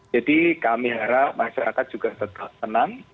jadi kami harap masyarakat juga tetap tenang